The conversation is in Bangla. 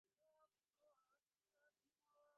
তিনি চলে যান এবং আর ফিরে আসেননি।